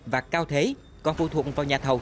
và cao thế còn phụ thuộc vào nhà thậu